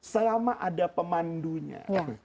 selama ada pemandunya